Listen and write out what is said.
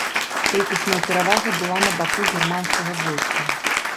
Колькасная перавага была на баку германскага войска.